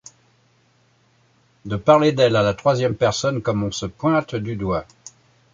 De parler d’elle à la troisième personne, comme on se pointe du doigt.